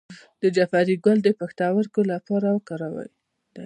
د جعفری ګل د پښتورګو لپاره وکاروئ